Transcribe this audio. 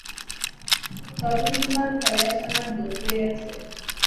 তবে কি তোমার ঘরে আসা আমার দোষ হইয়াছে।